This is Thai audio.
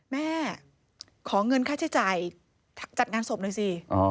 แม่ขอเงินค่าใช้จ่ายจัดงานศพหน่อยสิ